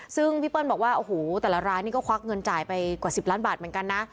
ซึ่งพี่เปิ้ลบอกว่าโอ้โหแต่ละร้านนี่ก็ควักเงินจ่ายไปกว่า๑๐ล้านบาทเหมือนกันนะ